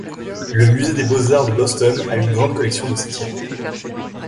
Le musée des beaux-arts de Boston a une grande collection de ses tirages.